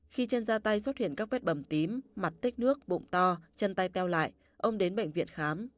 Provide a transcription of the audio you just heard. khi trên da tay xuất hiện các vết bầm tím mặt tích nước bụng to chân tay teo lại ông đến bệnh viện khám